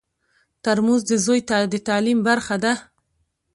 ترموز د زوی د تعلیم برخه ده.